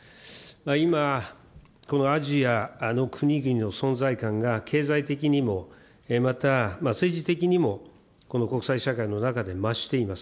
今、このアジアの国々の存在感が経済的にも、また政治的にも、この国際社会の中で増しています。